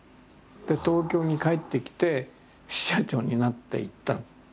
で東京に帰ってきて支社長になっていったんです。